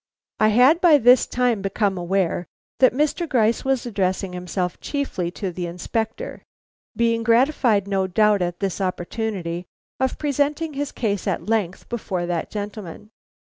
I had by this time become aware that Mr. Gryce was addressing himself chiefly to the Inspector, being gratified no doubt at this opportunity of presenting his case at length before that gentleman.